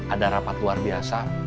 ada rapat luar biasa